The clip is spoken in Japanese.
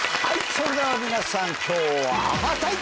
それでは皆さん今日は。